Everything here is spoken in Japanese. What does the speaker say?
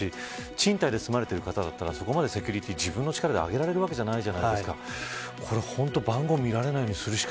賃貸で住まれている方だったらそこまでセキュリティを自分の力で上げられるわけじゃないじゃないですか。